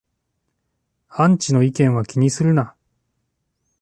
アンチの意見は気にするな